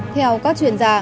theo các chuyên gia